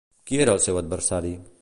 Qui era el seu adversari?